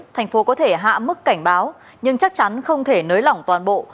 thành phố có thể hạ mức cảnh báo nhưng chắc chắn không thể nới lỏng toàn bộ